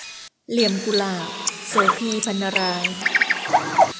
เหลี่ยมกุหลาบ - โสภี พรรณราย